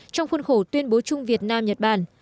trong khuôn khổ tuyên bố chung việt nam nhật bản